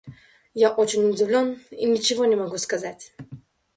Я очень удивлен и ничего не могу сказать.